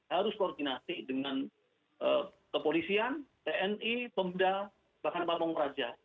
harus koordinasi dengan kepolisian tni pemuda bahkan pak ponggraja